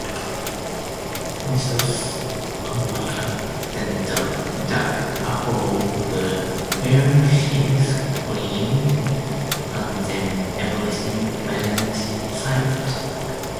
Mrs. Amaya then dug a hole where she screamed and then everything went silent.